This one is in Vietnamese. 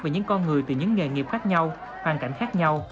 về những con người từ những nghề nghiệp khác nhau hoàn cảnh khác nhau